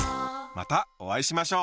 またお会いしましょう！